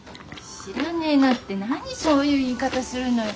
知らねえなって何そういう言い方するのよ。